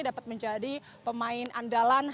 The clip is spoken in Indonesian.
dapat menjadi pemain andalan